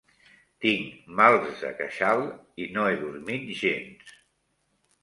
Tinc mals de queixal i no he dormit gens.